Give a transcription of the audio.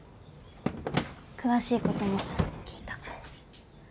詳しいことも聞いた。